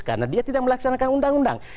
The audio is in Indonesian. karena dia tidak melaksanakan undang undang